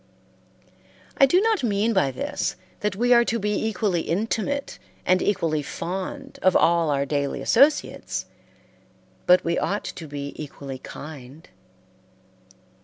I do not mean by this that we are to be equally intimate and equally fond of all our daily associates, but we ought to be equally kind.